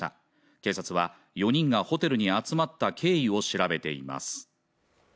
警察は４人がホテルに集まった経緯を調べています